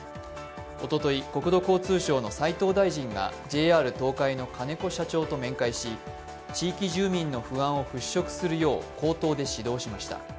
おととい、国土交通省の斉藤大臣がＪＲ東海の金子社長と面会し、地域住民の不安を払拭するよう口頭で指導しました。